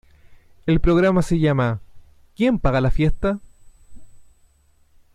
El programa se llama ¿Quien paga la fiesta?